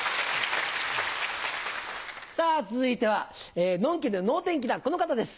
さぁ続いてはのんきで能天気なこの方です。